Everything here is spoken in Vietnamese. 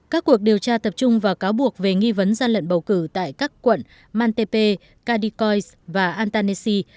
các cuộc điều tra tập trung vào cáo buộc về nghi vấn gian lận bầu cử tại các quận mantepe kadikoys và antanesi